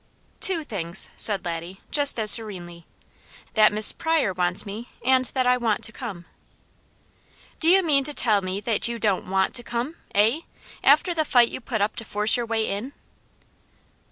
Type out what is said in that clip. "TWO things," said Laddie, just as serenely. "That Miss Pryor wants me, and that I want to come." "D'ye mean to tell me that you DON'T want to come, eh? After the fight you put up to force your way in!"